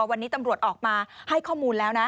วันนี้ตำรวจออกมาให้ข้อมูลแล้วนะ